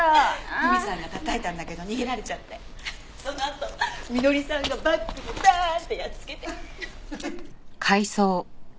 史さんがたたいたんだけど逃げられちゃってそのあとみのりさんがバッグでバーンってやっつけて。